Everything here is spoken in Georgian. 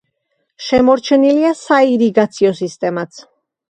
შემორჩენილია საირიგაციო სისტემაც.